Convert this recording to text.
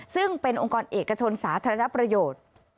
ซึ่งเป็นองค์กรเอกชนสาธารณประโยชน์